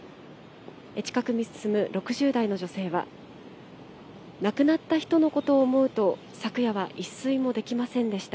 近くに住む６０代の女性は、亡くなった人のことを思うと、昨夜は一睡もできませんでした。